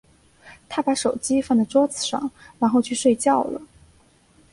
她把手机放在桌子上，然后睡觉去了。